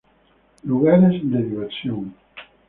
Lugares de diversión